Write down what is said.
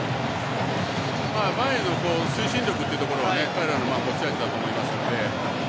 前の推進力というところは彼らの持ち味だと思いますので。